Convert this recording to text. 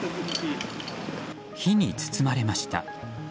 火に包まれました。